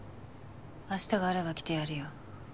明日があれば来てやるよ。